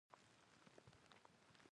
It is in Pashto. احمد پراخه سینه لري.